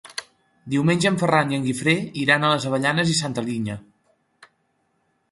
Diumenge en Ferran i en Guifré iran a les Avellanes i Santa Linya.